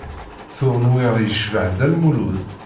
Tuɣ nwiɣ yecbeḥ Dda Lmulud.